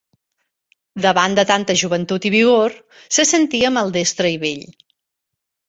Davant de tanta joventut i vigor, se sentia maldestre i vell.